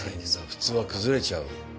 普通は崩れちゃう。